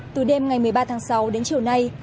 từ đêm ngày một mươi ba tháng sáu đến chiều nay